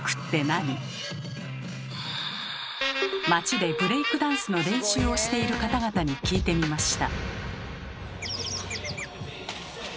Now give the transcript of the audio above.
街でブレイクダンスの練習をしている方々に聞いてみました。